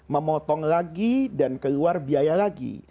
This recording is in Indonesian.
memotong lagi dan keluar biaya lagi